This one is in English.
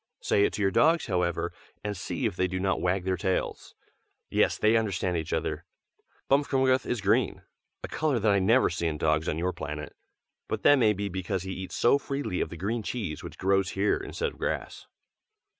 Say it to your dogs, however, and see if they do not wag their tails. Yes, they understand each other. Bmfkmgth is green, a color that I never see in dogs on your planet; but that may be because he eats so freely of the green cheese which grows here instead of grass.